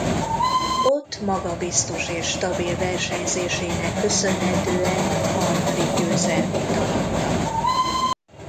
Ott magabiztos és stabil versenyzésének köszönhetően harmadik győzelmét aratta.